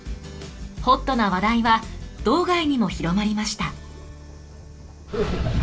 ホットな話題は道外にも広まりました。